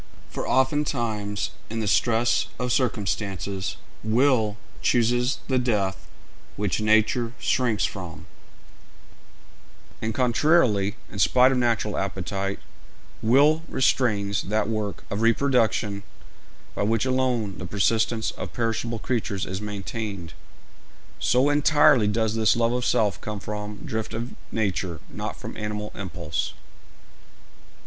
For oftentimes in the stress of circumstances will chooses the death which nature shrinks from; and contrarily, in spite of natural appetite, will restrains that work of reproduction by which alone the persistence of perishable creatures is maintained. So entirely does this love of self come from drift of nature, not from animal impulse.